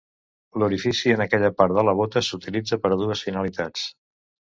L'orifici en aquella part de la bota s'utilitza per a dues finalitats.